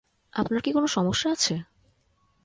আপনার কি কোনো সমস্যা আছে?